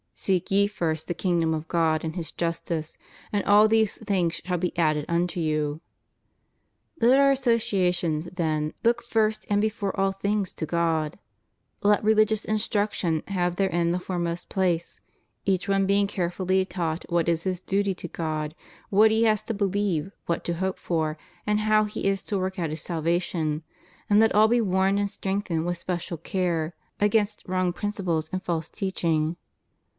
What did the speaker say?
... Seek ye first the kingdom of God and His justice, and all these things shall be added unto you? Let our associations, then, look first and before all things to God; let rehgious instruction have therein the foremost place, each one being carefully taught what is his duty to God, what he has to believe, what to hope for, and how he is to work out his salvation ; and let all be warned and strengthened with special care against wrong principles and false teaching.